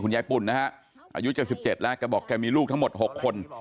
คุณยายปุ่นนะฮะอายุจะสิบเจ็ดแล้วก็บอกแกมีลูกทั้งหมดหกคน